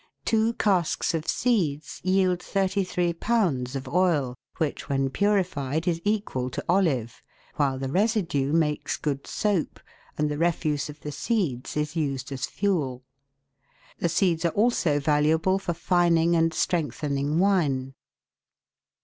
Two casks of seeds yield thirty three pounds of oil, which when purified is equal to olive, while the residue makes good soap, and the refuse of the seeds is used as fuel. The seeds are also valuable for fining and strengthening wine.